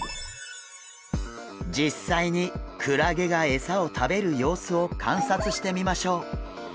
実際にクラゲがエサを食べる様子を観察してみましょう。